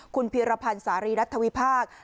คุณพีรพันธ์สารีรัฐวิพากษ์